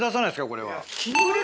これは。